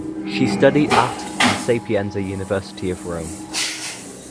She studied at and Sapienza University of Rome.